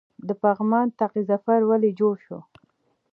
د پغمان طاق ظفر ولې جوړ شو؟